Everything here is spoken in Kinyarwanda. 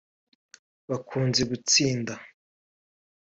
bakunze gutsinda